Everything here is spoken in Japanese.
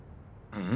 うん？